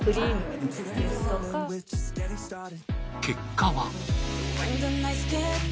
結果は。